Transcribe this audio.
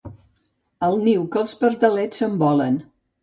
Al niu, que els pardalets s'envolen.